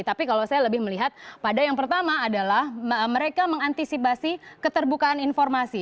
tapi kalau saya lebih melihat pada yang pertama adalah mereka mengantisipasi keterbukaan informasi